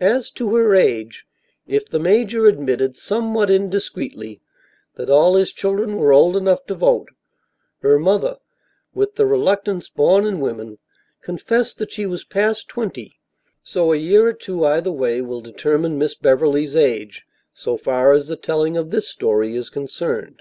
As to her age, if the major admitted, somewhat indiscreetly, that all his children were old enough to vote, her mother, with the reluctance born in women, confessed that she was past twenty, so a year or two either way will determine Miss Beverly's age, so far as the telling of this story is concerned.